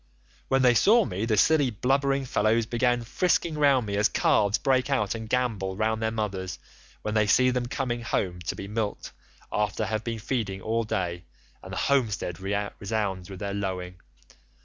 When they saw me the silly blubbering fellows began frisking round me as calves break out and gambol round their mothers, when they see them coming home to be milked after they have been feeding all day, and the homestead resounds with their lowing.